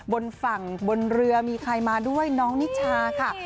บนฝั่งบนเรือมีใครมาด้วยน้องนิชาค่ะ